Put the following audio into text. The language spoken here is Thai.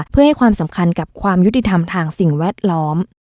เพื่อให้ความสำคัญกับความยุติธรรมทางสิ่งแวดล้อม